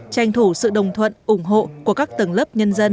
tranh thủ sự đồng thuận ủng hộ của các tầng lớp nhân dân